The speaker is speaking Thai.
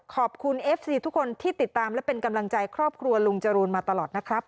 เอฟซีทุกคนที่ติดตามและเป็นกำลังใจครอบครัวลุงจรูนมาตลอดนะครับ